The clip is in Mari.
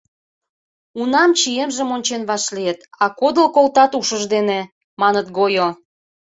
«Унам чиемжым ончен вашлийыт, а кодыл колтат ушыж дене», — маныт гойо...